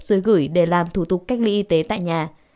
dưới gửi để làm thủ tục cách ly y tế tại nhà